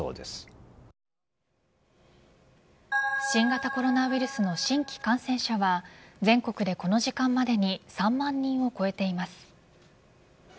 新型コロナウイルスの新規感染者は全国でこの時間までに３万人を超えています。